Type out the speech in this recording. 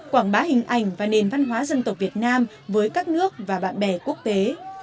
quảng bá hình ảnh và nền văn hóa dân tộc việt nam với các nước và bạn bè quốc tế